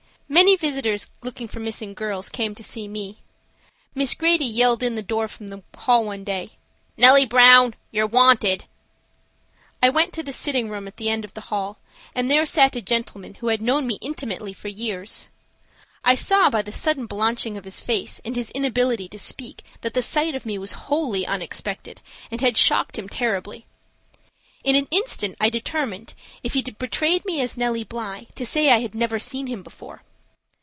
Many visitors looking for missing girls came to see me. Miss Grady yelled in the door from the hall one day: "Nellie Brown, you're wanted." I went to the sitting room at the end of the hall, and there sat a gentleman who had known me intimately for years. I saw by the sudden blanching of his face and his inability to speak that the sight of me was wholly unexpected and had shocked him terribly. In an instant I determined, if he betrayed me as Nellie Bly, to say I had never seen him before.